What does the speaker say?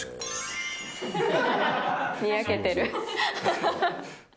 にやけてる。